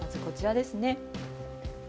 まずこちらですね。